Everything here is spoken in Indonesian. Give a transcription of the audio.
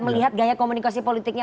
melihat gaya komunikasi politiknya